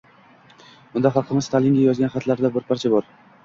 Unda xalqimizning Stalinga yozgan xatlaridan bir parcha bor.